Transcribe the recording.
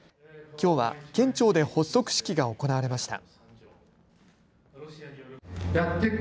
きょうは県庁で発足式が行われました。